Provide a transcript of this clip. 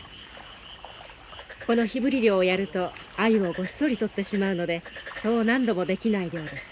この火ぶり漁をやるとアユをごっそり取ってしまうのでそう何度もできない漁です。